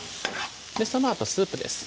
そのあとスープです